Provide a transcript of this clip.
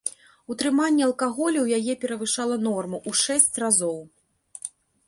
Утрыманне алкаголю ў яе перавышала норму ў шэсць разоў.